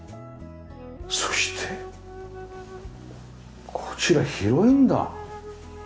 そしてこちら広いんだ。